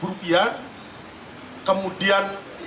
kemudian yang lain yang ditawarkan adalah satu hari